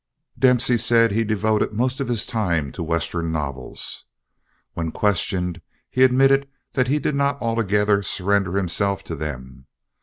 Dempsey said he had devoted most of his time to Western novels. When questioned he admitted that he did not altogether surrender himself to them.